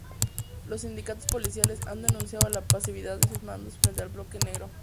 Los sindicatos policiales han denunciado la pasividad de sus mandos frente al bloque negro.